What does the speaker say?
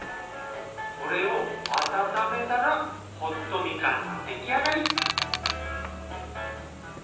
これを温めたらホットみかんの出来上がり。